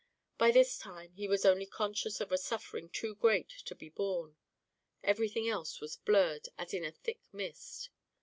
By this time he was only conscious of a suffering too great to be borne, everything else was blurred as in a thick mist.